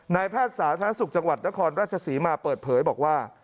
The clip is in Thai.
แพทย์สาธารณสุขจังหวัดนครราชศรีมาเปิดเผยบอกว่า